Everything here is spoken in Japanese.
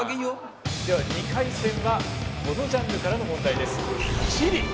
では２回戦はこのジャンルからの問題です。